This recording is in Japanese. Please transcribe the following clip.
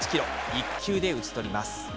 １球で打ち取ります。